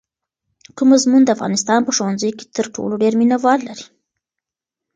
کوم مضمون د افغانستان په ښوونځیو کې تر ټولو ډېر مینه وال لري؟